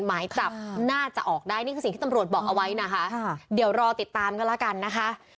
หมายจับน่าจะออกได้นี่คือสิ่งที่ตำรวจบอกเอาไว้นะคะเดี๋ยวรอติดตามกันแล้วกันนะคะ